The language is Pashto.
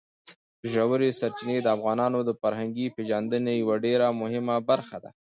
ژورې سرچینې د افغانانو د فرهنګي پیژندنې یوه ډېره مهمه برخه ده.